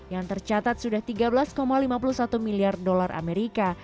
yang tercatat sudah tiga belas lima puluh satu miliar dolar amerika